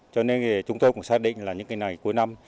cho nên chúng tôi cũng xác định là những ngày cuối năm